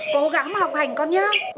cố gắng mà học hành con nhá